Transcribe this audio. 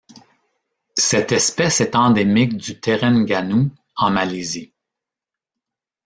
Cette espèce est endémique du Terengganu en Malaisie.